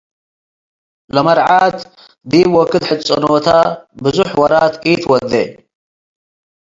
ለመርዓት ዲብ ወክድ ሕጽኖተ ብዞሕ ወራት ኢትወዴ ።